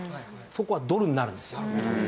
そこはドルになるんですよ。